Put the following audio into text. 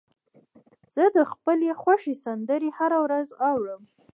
زه د خپلو خوښې سندرې هره ورځ اورم.